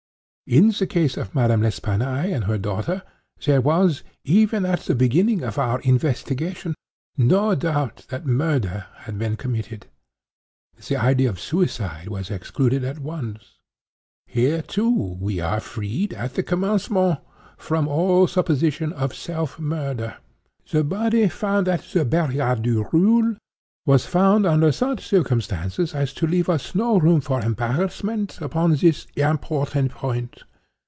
"In the case of Madame L'Espanaye and her daughter there was, even at the beginning of our investigation, no doubt that murder had been committed. The idea of suicide was excluded at once. Here, too, we are freed, at the commencement, from all supposition of self murder. The body found at the Barrière du Roule, was found under such circumstances as to leave us no room for embarrassment upon this important point.